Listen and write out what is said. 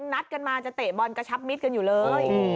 นัดกันมาจะเตะบอลกระชับมิดกันอยู่เลย